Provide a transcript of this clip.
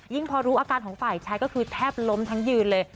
พอรู้อาการของฝ่ายชายก็คือแทบล้มทั้งยืนเลย